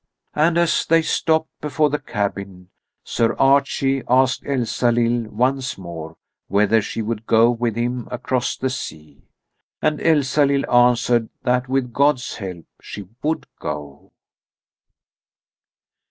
And as they stopped before the cabin, Sir Archie asked Elsalill once more whether she would go with him across the sea. And Elsalill answered that with God's help she would go.